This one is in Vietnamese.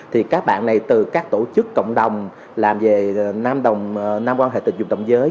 thì các bạn này từ các tổ chức cộng đồng làm về nam quan hệ tình dục đồng giới